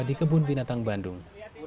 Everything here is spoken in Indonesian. di kebun binatang bandung